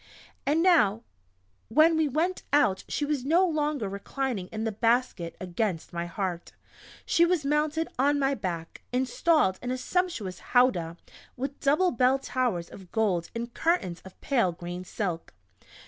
And now when we went out she was no longer reclining in the basket against my heart; she was mounted on my back, installed in a sumptuous "howdah" with double bell towers of gold and curtains of pale green silk.